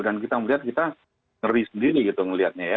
dan kita melihat kita ngeri sendiri gitu ngeliatnya ya